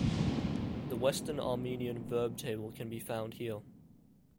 The Western Armenian verb table can be found here.